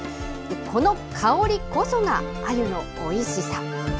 この香りこそが、あゆのおいしさ。